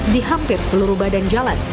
di hampir seluruh badan jalan